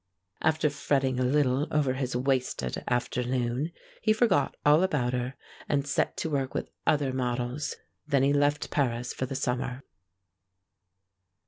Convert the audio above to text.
After fretting a little over his wasted afternoon, he forgot all about her, and set to work with other models. Then he left Paris for the summer.